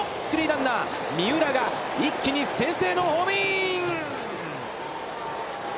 ランナー三浦が一気に先制のホームイン。